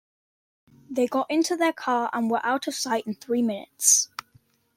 They got into their car and were out of sight in three minutes.